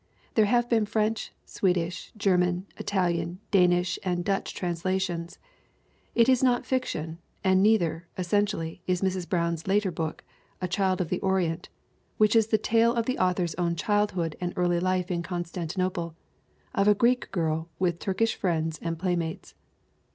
There have been French, Swedish, German, Italian, Danish and Dutch trans lations. It is not fiction, and neither, essentially, is Mrs. Brown's later book, A Child of the Orient, which is the tale of the author's own childhood and early life in Constantinople, of a Greek girl with Turkish friends and playmates.